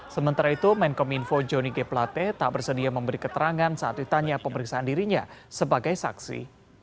sementara itu menkominfo johnny g pelate tak bersedia memberi keterangan saat ditanya pemeriksaan dirinya sebagai saksi